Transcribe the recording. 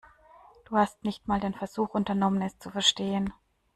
Du hast nicht mal den Versuch unternommen, es zu verstehen.